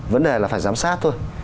vấn đề là phải giám sát thôi